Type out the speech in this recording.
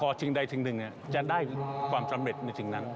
พอสิ่งใดสิ่งหนึ่งจะได้ความสำเร็จในสิ่งนั้น